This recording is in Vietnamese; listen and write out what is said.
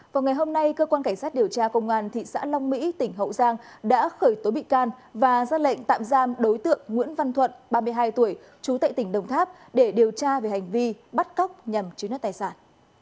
vào ngày hôm nay cơ quan cảnh sát điều tra công an thị xã long mỹ tỉnh hậu giang đã khởi tố bị can và ra lệnh tạm giam đối tượng nguyễn văn thuận ba mươi hai tuổi trú tại tỉnh đồng tháp để điều tra về hành vi bắt cóc nhằm chiếm đất tài sản